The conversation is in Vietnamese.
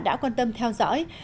đã quan tâm theo dõi